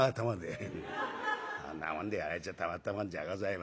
そんなもんでやられちゃたまったもんじゃございませんけれど。